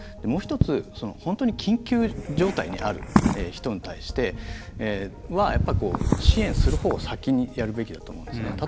もう１つ、本当に緊急状態にある人に対しては支援するほうを先にやるべきだと思うんですね。